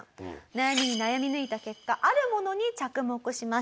悩みに悩み抜いた結果あるものに着目しました。